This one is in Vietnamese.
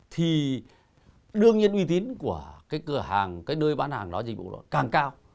thì đương nhiên uy tín của cái cửa hàng cái nơi bán hàng đó dịch vụ đó càng cao